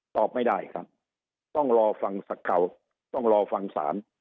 ตอบไม่ได้ครับต้องรอฟังสเก่าต้องรอฟังศาล